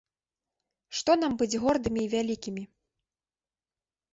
Што нам быць гордымі і вялікімі.